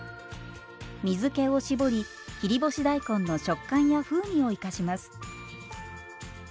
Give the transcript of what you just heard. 水けをしぼり切り干し大根の食感や風味を生かします。